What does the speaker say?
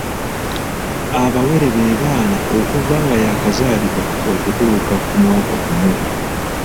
Abawere be baana okuva nga y'akazaalibwa okutuuka ku mwaka gumu.